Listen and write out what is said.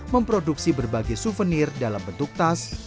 memproduksi berbagai souvenir dalam bentuk tas